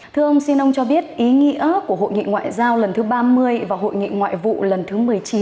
thưa ông xin ông cho biết ý nghĩa của hội nghị ngoại giao lần thứ ba mươi và hội nghị ngoại vụ lần thứ một mươi chín